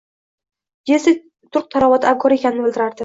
Jessi turqi-tarovati abgor ekanini bilardi